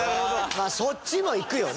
まあそっちもいくよね。